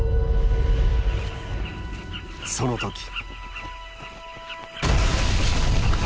その時。